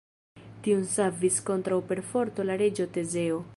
Tiun savis kontraŭ perforto la reĝo Tezeo.